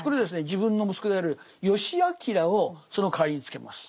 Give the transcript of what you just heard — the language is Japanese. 自分の息子である義詮をその代わりにつけます。